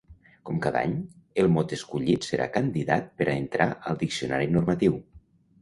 Com cada any, el mot escollit serà candidat per a entrar al diccionari normatiu.